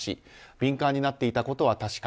敏感になっていたことは確か。